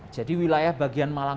jadi wilayah bagian malang